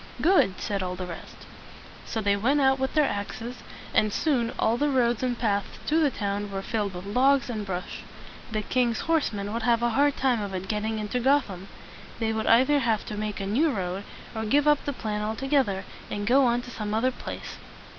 "Good!" said all the rest. So they went out with their axes, and soon all the roads and paths to the town were filled with logs and brush. The king's horse men would have a hard time of it getting into Gotham. They would either have to make a new road, or give up the plan al to geth er, and go on to some other place.